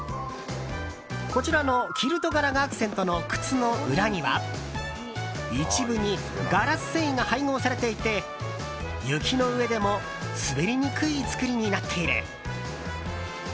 こちらのキルト柄がアクセントの靴の裏には一部にガラス繊維が配合されていて雪の上でも滑りにくい作りになっている。